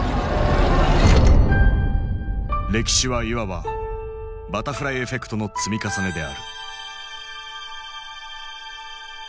歴史はいわば「バタフライエフェクト」の積み重ねである。